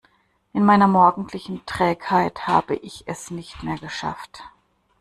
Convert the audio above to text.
In meiner morgendlichen Trägheit habe ich es nicht mehr geschafft.